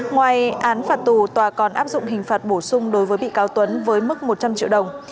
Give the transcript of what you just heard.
ngoài án phạt tù tòa còn áp dụng hình phạt bổ sung đối với bị cáo tuấn với mức một trăm linh triệu đồng